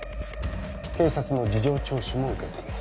警察の事情聴取も受けています